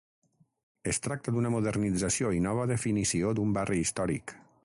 Es tracta d'una modernització i nova definició d'un barri històric.